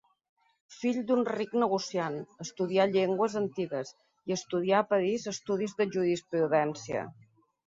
Fill d'un ric negociant, estudià llengües antigues, i estudià a París estudis de jurisprudència.